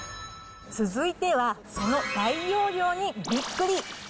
続いては、その大容量にびっくり。